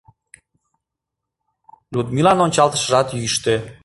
Людмилан ончалтышыжат йӱштӧ.